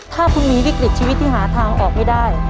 ถ้าคุณมีวิกฤตชีวิตที่หาทางออกไม่ได้